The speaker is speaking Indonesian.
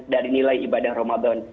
dari nilai ibadah ramadan